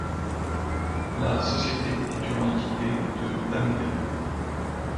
La société est une entité de Tamedia.